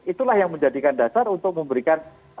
itulah yang menjadikan dasar untuk memberikan